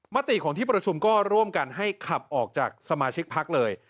มติของที่ประชุมก็ร่วมกันให้ขับออกจากสมาชิกพักเลย